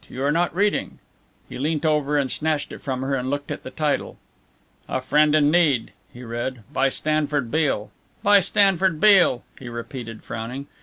You are not reading." He leant over and snatched it from her and looked at the title. "'A Friend in Need,'" he read. "By Stanford Beale by Stanford Beale," he repeated, frowning.